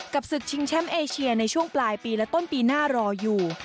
ศึกชิงแชมป์เอเชียในช่วงปลายปีและต้นปีหน้ารออยู่